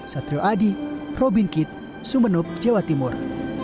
satrio adi robin kit sumeneb jawa timur